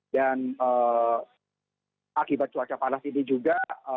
dan akibat cuaca panas ini juga